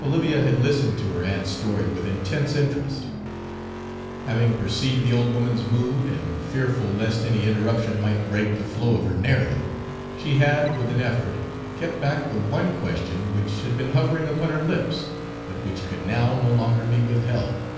Olivia had listened to her aunt's story with intense interest. Having perceived the old woman's mood, and fearful lest any interruption might break the flow of her narrative, she had with an effort kept back the one question which had been hovering upon her lips, but which could now no longer be withheld.